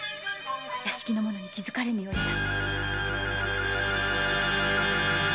屋敷の者に気づかれぬようにな。